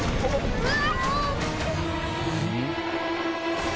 うわ！